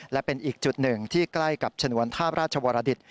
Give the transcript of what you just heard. และเป็นอีกจุดหนึ่งที่ใกล้กับฉนวนทาบราชวรดิต